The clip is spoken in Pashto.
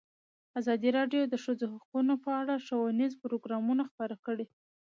ازادي راډیو د د ښځو حقونه په اړه ښوونیز پروګرامونه خپاره کړي.